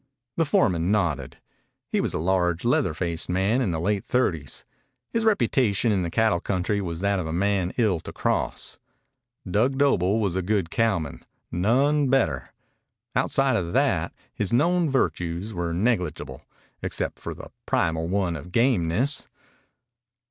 The foreman nodded. He was a large leather faced man in the late thirties. His reputation in the cattle country was that of a man ill to cross. Dug Doble was a good cowman none better. Outside of that his known virtues were negligible, except for the primal one of gameness.